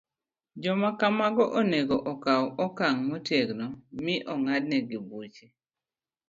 Joma kamago onego okaw okang ' motegno, mi ong'adnegi buch